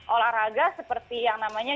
olahraga seperti yang namanya